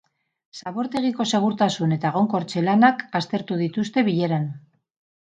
Zabortegiko segurtasun eta egonkortze lanak aztertu dituzte bileran.